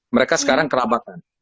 mereka sekarang kerabatan